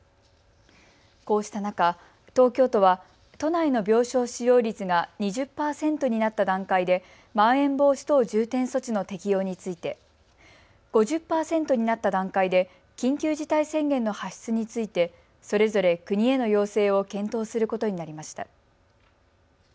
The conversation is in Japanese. こうした中、東京都は都内の病床使用率が２０％になった段階でまん延防止等重点措置の適用について、５０％になった段階で緊急事態宣言の発出についてそれぞれ国への要請を検討することになりました。